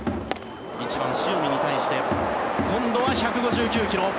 １番、塩見に対して今度は１５９ｋｍ。